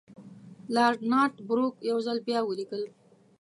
لارډ نارت بروک یو ځل بیا ولیکل.